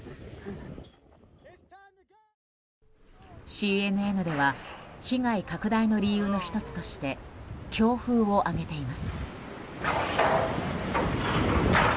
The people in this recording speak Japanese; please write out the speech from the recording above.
ＣＮＮでは被害拡大の理由の１つとして強風を挙げています。